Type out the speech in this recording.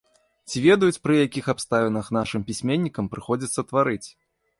Ці ведаюць, пры якіх абставінах нашым пісьменнікам прыходзіцца тварыць?